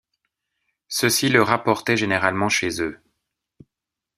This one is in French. Ceux-ci le rapportaient généralement chez eux.